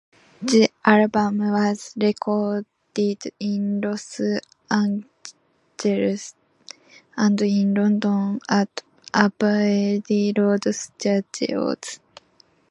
The album was recorded in Los Angeles and in London at Abbey Road Studios.